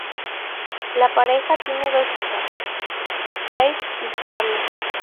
La pareja tiene dos hijas, Kate y Charles.